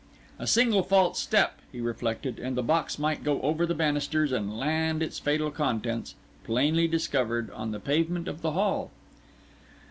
A single false step, he reflected, and the box might go over the banisters and land its fatal contents, plainly discovered, on the pavement of the hall.